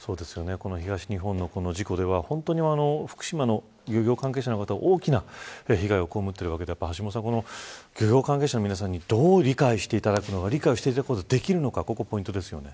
東日本の事故では本当に福島の漁業関係者の方は大きな被害をこうむているわけで橋下さん、漁業関係者の皆さんにどう理解していただくのか理解をしていただくことができるかここポイントですよね。